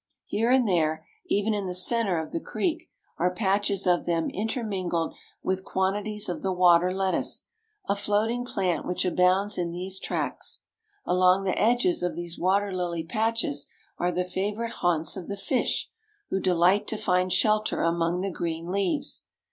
Here and there, even in the centre of the creek, are patches of them intermingled with quantities of the water lettuce, a floating plant which abounds in these tracts. Along the edges of these water lily patches are the favorite haunts of the fish, who delight to find shelter among the green leaves.